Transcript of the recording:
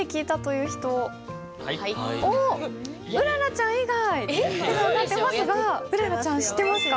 うららちゃん以外手が挙がってますがうららちゃん知ってますか？